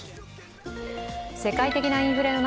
世界的なインフレの中